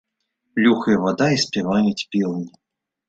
Плюхае вада і спяваюць пеўні.